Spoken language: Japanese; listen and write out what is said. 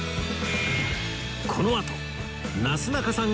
このあとなすなかさん